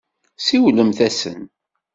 Siwlemt-asen.